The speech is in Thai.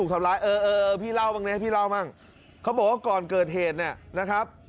ใครบอกว่าก่อนเกิดเหตุนะครับ